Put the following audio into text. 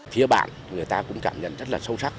phía bạn người ta cũng cảm nhận rất là sâu sắc